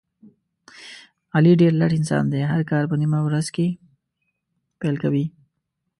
علي ډېر لټ انسان دی، هر کار په نیمه ورځ کې پیل کوي.